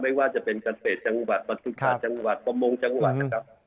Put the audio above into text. ไม่ว่าจะเป็นเกษตรจังหวัดประจุธาจังหวัดประมงจังหวัดนะครับ